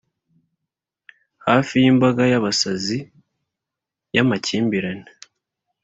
hafi yimbaga yabasazi yamakimbirane,